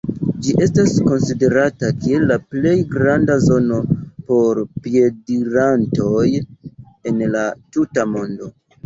Ĝi estas konsiderata kiel la plej granda zono por piedirantoj en la tuta mondo.